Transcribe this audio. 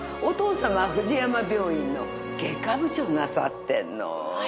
お父さまはフジヤマ病院の外科部長なさってんの。